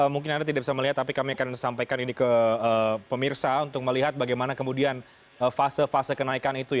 mungkin anda tidak bisa melihat tapi kami akan sampaikan ini ke pemirsa untuk melihat bagaimana kemudian fase fase kenaikan itu